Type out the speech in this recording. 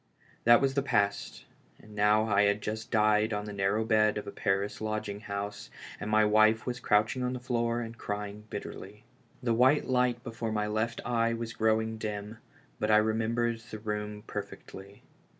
That was the past, and now I had just died on the narrow bed of a Paris lodging house, and my wife was crouching on the floor and crying bitterly. The white light before my left eye was growing dim, but I remem bered the room perfectly.